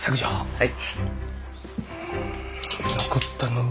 はい。